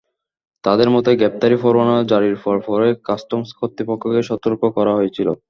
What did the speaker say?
তাঁদের মতে, গ্রেপ্তারি পরোয়ানা জারির পরপরই কাস্টমস কর্তৃপক্ষকে সতর্ক করা হয়েছিল।